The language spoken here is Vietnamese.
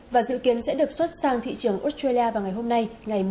và dự kiến sẽ được xuất sang thị trường australia vào ngày hôm nay